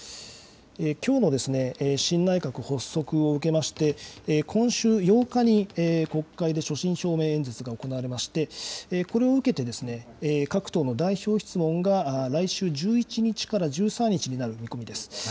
きょうの新内閣発足を受けまして、今週８日に国会で所信表明演説が行われまして、これを受けて、各党の代表質問が来週１１日から１３日になる見込みです。